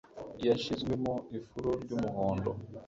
Yashizwemo ifuro ryumuhondo